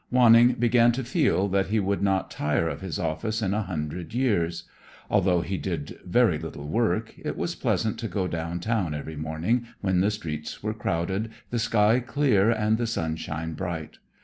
Wanning began to feel that he would not tire of his office in a hundred years. Although he did very little work, it was pleasant to go down town every morning when the streets were crowded, the sky clear, and the sunshine bright.